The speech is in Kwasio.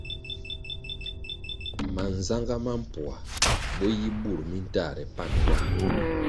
Manzagá ma mpoa bo yi bur mi ntahre pan wa.